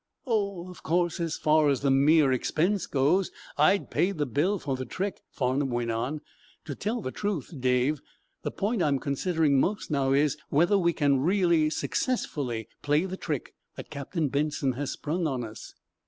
"Oh, of course, as far as the mere expense goes, I'd pay the bill for the trick," Farnum went on. "To tell the truth. Dave, the point I'm considering most now is, whether we can really successfully play the trick that Captain Benson has sprung on us."